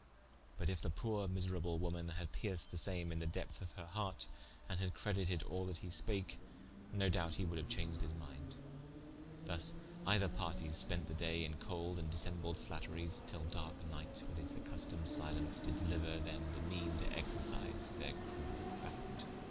But in the poore miserable woman had perced the same in the depth of her harte, and had credited all that he spake, no doubte he woulde haue chaunged his minde. Thus either partes spente the daye in cold and dissembled flatteries till darke nighte, with his accustomed silence, did deliuer them the meane to exercise their cruell facte.